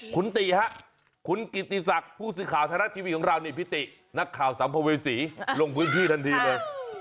คุณติฮะคุณกิติศักดิ์ผู้สื่อข่าวไทยรัฐทีวีของเรานี่พิตินักข่าวสัมภเวษีลงพื้นที่ทันทีเลย